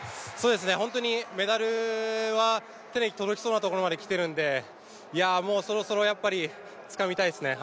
本当にメダルは手の届きそうなところまできているので、もうそろそろやっぱりつかみたいですね。